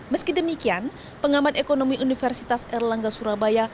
meski demikian pengamat ekonomi universitas erlangga surabaya